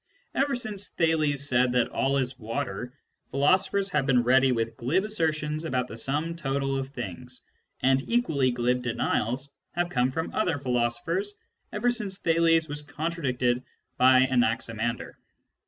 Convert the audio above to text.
Ever since Thales said that all is water, philosophers have been ready with glib assertions about the sum total of things ; and equally glib denials have come from other philosophers ever since Thales was con tradicted by Anaximander.